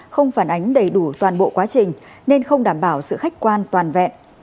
không phản ánh đầy đủ toàn bộ quá trình nên không đảm bảo sự khách quan toàn vẹn